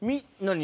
何？